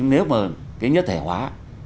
nếu mà cái nhất thể hóa